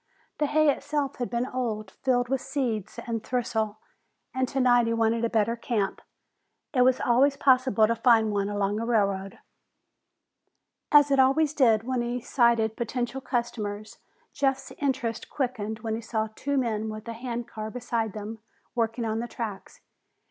The hay itself had been old, filled with seeds and thistles, and tonight he wanted a better camp. It was always possible to find one along a railroad. As it always did when he sighted potential customers, Jeff's interest quickened when he saw two men with a handcar beside them, working on the tracks.